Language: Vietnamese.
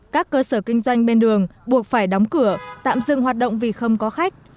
các cơ sở kinh doanh bên đường buộc phải đóng cửa tạm dừng hoạt động vì không có khách